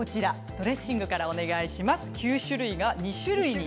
ドレッシングからお願いします。